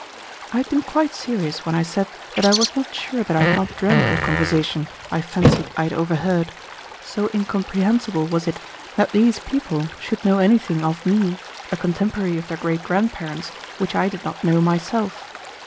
I had been quite serious when I said that I was not sure that I had not dreamed the conversation I fancied I had overheard, so incomprehensible was it that these people should know anything of me, a contemporary of their great grandparents, which I did not know myself.